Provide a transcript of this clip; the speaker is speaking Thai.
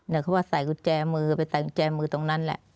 เขาว่าใส่กุญแจมือไปใส่กุญแจมือตรงนั้นแหละ